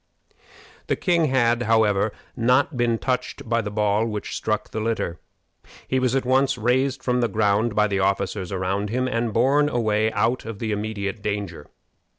The king had, however, not been touched by the ball which struck the litter. He was at once raised from the ground by the officers around him, and borne away out of the immediate danger.